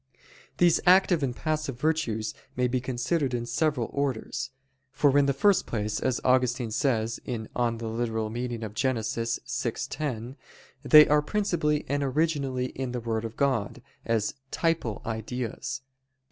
These active and passive virtues may be considered in several orders. For in the first place, as Augustine says (Gen. ad lit. vi, 10), they are principally and originally in the Word of God, as _typal ideas.